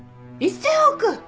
１０００億！